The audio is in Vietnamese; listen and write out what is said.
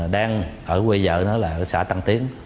đang ở quê vợ nó là ở xã tăng tiến